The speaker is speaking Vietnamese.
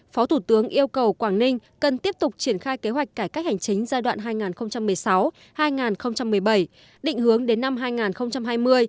phó thủ tướng yêu cầu quảng ninh cần tiếp tục triển khai kế hoạch cải cách hành chính giai đoạn hai nghìn một mươi sáu hai nghìn một mươi bảy định hướng đến năm hai nghìn hai mươi